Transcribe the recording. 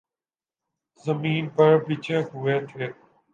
زمین پر بچھے ہوئے تھے۔